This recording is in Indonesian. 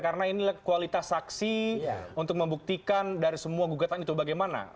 karena ini kualitas saksi untuk membuktikan dari semua gugatan itu bagaimana